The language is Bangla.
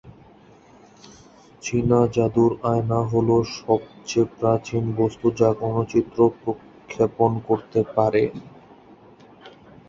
চীনা জাদুর আয়না হলো সবচেয়ে প্রাচীন বস্তু যা কোন চিত্র প্রক্ষেপণ করতে পারে।